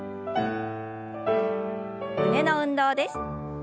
胸の運動です。